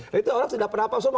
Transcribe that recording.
nah itu orang tidak pernah apa apa